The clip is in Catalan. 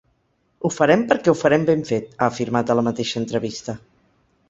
“Ho farem perquè ho farem ben fet”, ha afirmat a la mateixa entrevista.